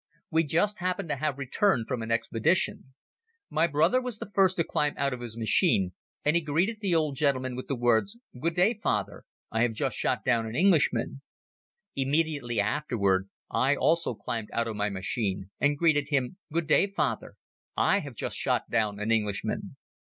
We just happened to have returned from an expedition. My brother was the first to climb out of his machine, and he greeted the old gentleman with the words: "Good day, Father. I have just shot down an Englishman." Immediately after, I also climbed out of my machine and greeted him "Good day, Father, I have just shot down an Englishman."